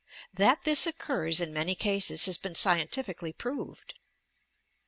That this occurs in many cases has been scien tifically proved.